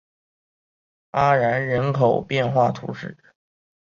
阿然人口变化图示